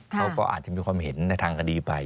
เขาก็อาจจะมีความเห็นในทางคดีไป